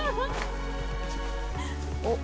おっ？